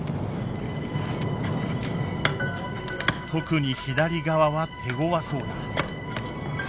特に左側は手ごわそうだ。